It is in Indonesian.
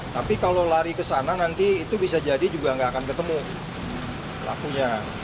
tapi kalau lari ke sana nanti itu bisa jadi juga nggak akan ketemu pelakunya